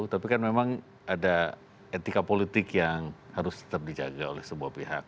tapi kan memang ada etika politik yang harus tetap dijaga oleh sebuah pihak